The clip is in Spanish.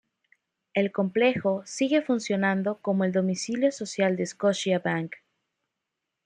El complejo sigue funcionando como el domicilio social de Scotiabank.